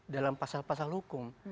dalam pasal pasal hukum